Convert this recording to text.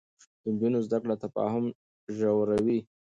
د نجونو زده کړه تفاهم ژوروي.